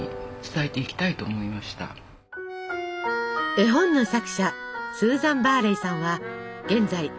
絵本の作者スーザン・バーレイさんは現在６１歳。